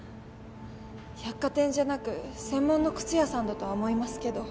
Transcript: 百貨店じゃなく専門の靴屋さんだとは思いますけど。